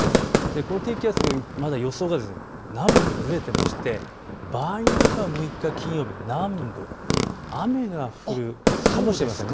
この低気圧、まだ予想が南北にぶれていまして場合によっては６日金曜日、南部、雨が降るかもしれません。